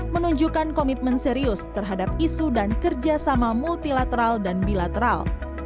menunjukkan komitmen serius terhadap isu dan kerjasama multilateral dan bilateral